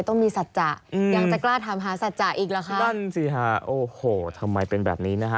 นั่นสิค่ะโอ้โหทำไมเป็นแบบนี้นะคะ